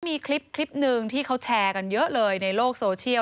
มีคลิปหนึ่งที่เขาแชร์กันเยอะเลยในโลกโซเชียล